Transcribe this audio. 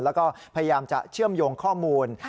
แล้วก็พยายามจะเชื่อมโยงข้อมูล